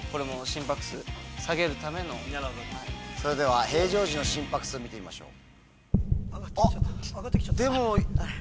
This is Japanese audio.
それでは平常時の心拍数見てみましょう。